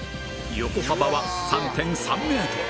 横幅は ３．３ メートル